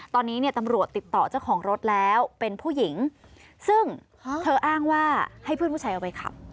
ตอนนี้เนี่ยตำรวจติดต่อเจ้าของรถแล้วเป็นผู้หญิงซึ่งเธออ้างว่าให้เพื่อนผู้ชายเอาไปขับ